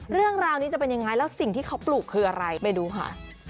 เรื่องราวนี้จะเป็นยังไงแล้วสิ่งที่เขาปลูกคืออะไรไปดูค่ะ